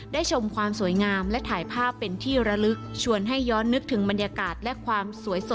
ได้ชมความสวยงาม